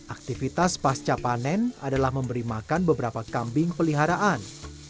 aktivitas pasca panen adalah memberi makan beberapa kambing peliharaan